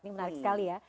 ini menarik sekali ya